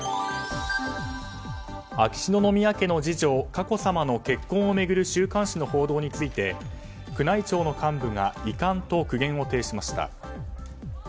秋篠宮家の次女・佳子さまの結婚を巡る週刊誌の報道について宮内庁の幹部が遺憾と苦言を呈しました。